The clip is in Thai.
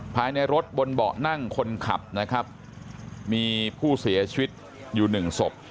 ภายในรถบนเบาะนั่งคนขับนะครับมีผู้เสียชีวิตอยู่หนึ่งศพ